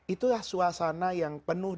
itulah suasana yang penuh